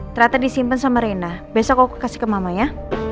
ternyata disimpan sama rena besok aku kasih ke mama ya